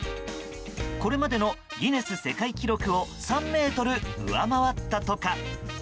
これまでのギネス世界記録を３ｍ上回ったとか。